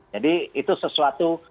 jadi itu sesuatu